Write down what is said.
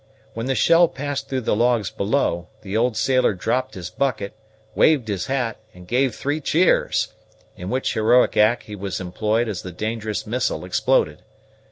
When the shell passed through the logs below, the old sailor dropped his bucket, waved his hat, and gave three cheers; in which heroic act he was employed as the dangerous missile exploded.